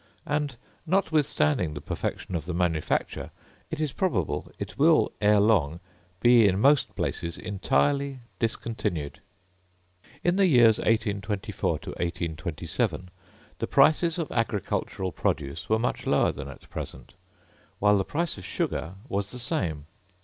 And notwithstanding the perfection of the manufacture, it is probable it will ere long be in most places entirely discontinued. In the years 1824 to 1827, the prices of agricultural produce were much lower than at present, while the price of sugar was the same.